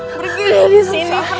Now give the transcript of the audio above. pergi dari sini